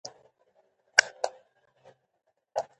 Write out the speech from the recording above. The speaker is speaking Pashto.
افغانستان له هلمند سیند او نورو اوبو ډک هیواد دی.